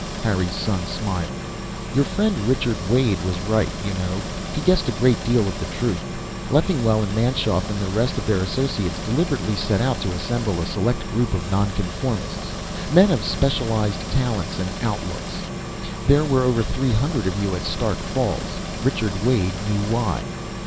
Harry's son smiled. "Your friend Richard Wade was right, you know. He guessed a great deal of the truth. Leffingwell and Manschoff and the rest of their associates deliberately set out to assemble a select group of nonconformists men of specialized talents and outlooks. There were over three hundred of you at Stark Falls. Richard Wade knew why."